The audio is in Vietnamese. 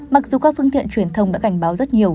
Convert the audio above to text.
mặc dù các phương tiện truyền thông đã cảnh báo rất nhiều